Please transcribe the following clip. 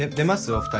お二人。